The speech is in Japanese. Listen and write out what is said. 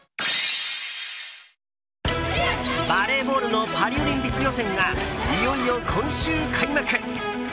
バレーボールのパリオリンピック予選がいよいよ今週開幕！